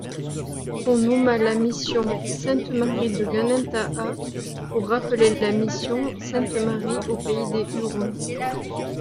On nomma la mission Sainte-Marie de Gannentaha pour rappeler la mission Sainte-Marie-au-pays-des-Hurons.